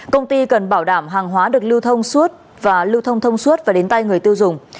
công ty cần bảo đảm hàng hóa được lưu thông suốt và lưu thông thông suốt và đến tay người tiêu dùng